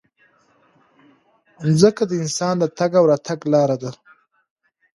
مځکه د انسان د تګ او راتګ لاره ده.